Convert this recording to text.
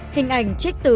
hình ảnh trích từ